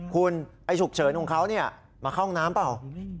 คุณไอ้ฉุกเฉินของเขามาเข้าห้องน้ำเปล่า